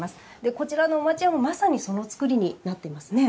こちらの町家もまさにそのつくりになっていますね。